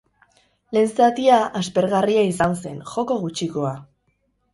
Lehen zatia aspergarria izan zen, joko gutxikoa.